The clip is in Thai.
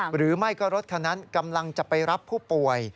หรือไม่ก็รถคันนั้นกำลังจะไปรับผู้ป่วย